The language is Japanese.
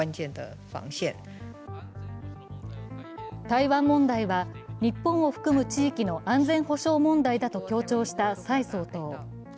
台湾問題は、日本を含む地域の安全保障問題だと強調した蔡総統。